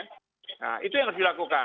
nah itu yang harus dilakukan